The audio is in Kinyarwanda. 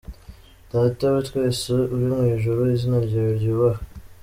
Data wa twese uri mu ijuru, izina ryawe ryubahwe